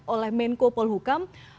oleh menko polhukam